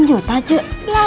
delapan juta cuk